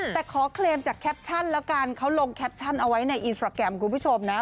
แต่ขอเคลมจากแคปชั่นแล้วกันเขาลงแคปชั่นเอาไว้ในอินสตราแกรมคุณผู้ชมนะ